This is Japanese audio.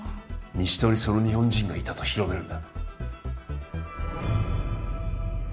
西棟にその日本人がいたと広めるんだ